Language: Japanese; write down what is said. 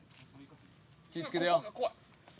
気ぃつけてよ。